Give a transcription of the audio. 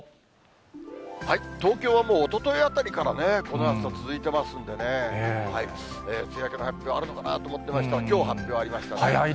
東京はもうおとといあたりから、この暑さ続いてますんでね、梅雨明けの発表、あるのかなと思ってましたら、きょう発表ありましたね。